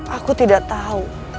aku tidak tahu